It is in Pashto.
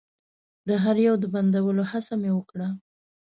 د هر يو د بندولو هڅه مې وکړه.